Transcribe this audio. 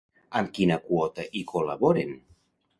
Amb quina quota hi col·laboren?